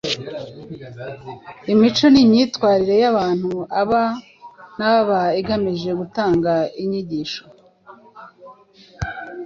imico n’imyitwarire y’abantu aba n’aba igamije gutanga inyigisho